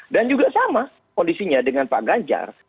dan juga sama kondisinya dengan pak ganjar